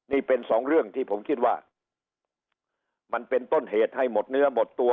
นี่เป็นสองเรื่องที่ผมคิดว่ามันเป็นต้นเหตุให้หมดเนื้อหมดตัว